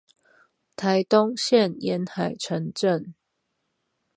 臺東縣沿海城鎮